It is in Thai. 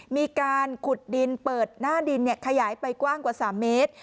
มีการขุดดินเปิดหน้าดินขยายไปกว้างกว่า๓เมตร